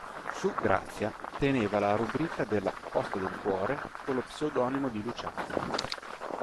Su "Grazia" teneva la rubrica della "posta del cuore" con lo pseudonimo di Luciano.